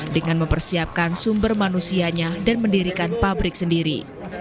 dengan mempersiapkan sumber manusianya dan mendirikan pabrik sendiri